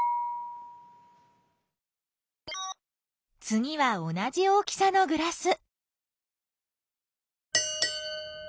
つぎは同じ大きさのグラス。